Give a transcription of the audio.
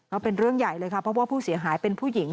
ก็เป็นเรื่องใหญ่เลยค่ะเพราะว่าผู้เสียหายเป็นผู้หญิง